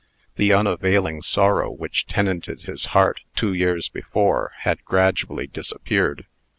The unavailing sorrow which tenanted his heart two years before, had gradually disappeared.